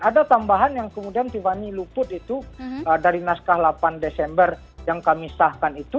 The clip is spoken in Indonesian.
ada tambahan yang kemudian tiffany luput itu dari naskah delapan desember yang kami sahkan itu